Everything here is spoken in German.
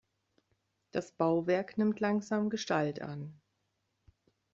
Das Bauwerk nimmt langsam Gestalt an.